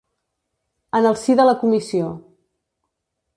En el si de la comissió.